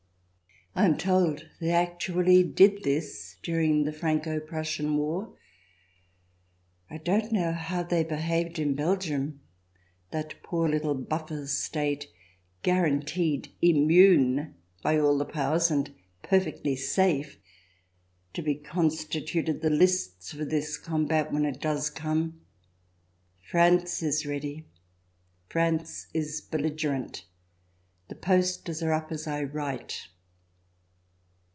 I am 321 SI 322 THE DESIRABLE ALIEN [ch. xxii told they actually did this during the Franco Prussian War. I don't know how they behaved in Belgium, that poor little buffer State, guaranteed immune by all the Powers and perfectly safe — to be constituted the lists for this combat when it does come. France is ready. France is belligerent. The posters are up as I write.